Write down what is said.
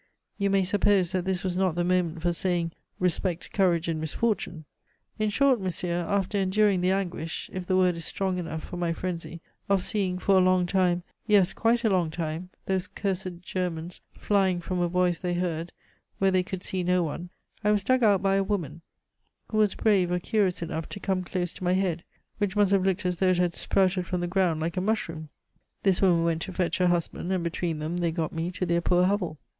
You may suppose that this was not the moment for saying, 'Respect courage in misfortune!' In short, monsieur, after enduring the anguish, if the word is strong enough for my frenzy, of seeing for a long time, yes, quite a long time, those cursed Germans flying from a voice they heard where they could see no one, I was dug out by a woman, who was brave or curious enough to come close to my head, which must have looked as though it had sprouted from the ground like a mushroom. This woman went to fetch her husband, and between them they got me to their poor hovel.